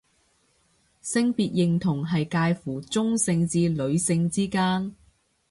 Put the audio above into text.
性別認同係界乎中性至女性之間